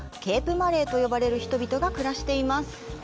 マレーと呼ばれる人々が暮らしています。